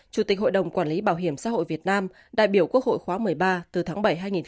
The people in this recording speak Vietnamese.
chủ tịch hội đồng quản lý bảo hiểm xã hội việt nam đại biểu quốc hội khóa một mươi ba từ tháng bảy hai nghìn hai mươi